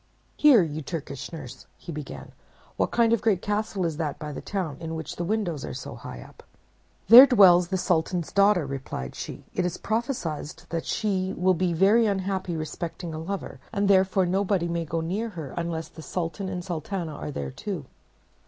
"Here, you Turkish nurse," he began, "what kind of a great castle is that close by the town, in which the windows are so high up?" "There dwells the Sultan's daughter," replied she. "It is prophesied that she will be very unhappy respecting a lover; and therefore nobody may go near her, unless the Sultan and Sultana are there too."